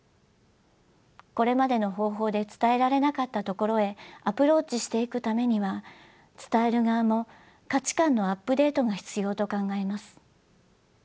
これまでの方法で伝えられなかったところへアプローチしていくためには伝える側も価値観のアップデートが必要と考えます。